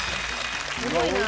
すごいな。